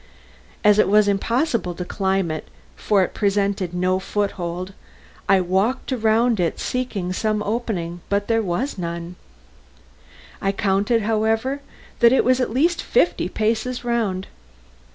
As it was impossible to climb it for it presented no foot hold I walked round about it seeking some opening, but there was none. I counted, however, that it was at least fifty paces round.